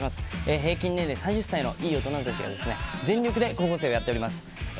平均年齢３０歳のいい大人たちが全力で高校生をやっております。